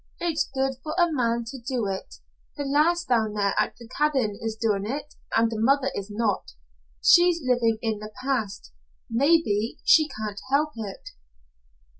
It's good for a man to do it. The lass down there at the cabin is doing it and the mother is not. She's living in the past. Maybe she can't help it."